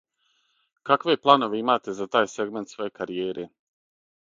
Какве планове имате за тај сегмент своје каријере?